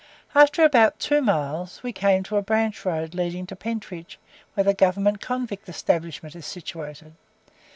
After about two miles, we came to a branch road leading to Pentridge, where the Government convict establishment is situated.